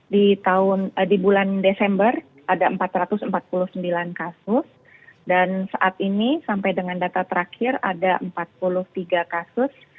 di bulan desember ada empat ratus empat puluh sembilan kasus dan saat ini sampai dengan data terakhir ada empat puluh tiga kasus